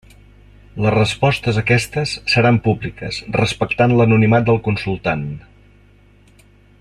Les respostes a aquestes seran públiques, respectant l'anonimat del consultant.